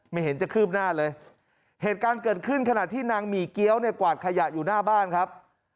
เห็นจะคืบหน้าเลยเหตุการณ์เกิดขึ้นขณะที่นางหมี่เกี้ยวเนี่ยกวาดขยะอยู่หน้าบ้านครับ